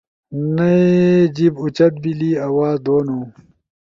نئی جیِب اُوچت بیلی، آواز دونو